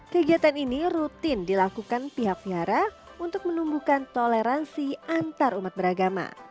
kegiatan ini rutin dilakukan pihak wihara untuk menumbuhkan toleransi antar umat beragama